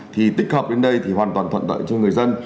thì tích hợp đến đây thì hoàn toàn thuận tợi cho người dân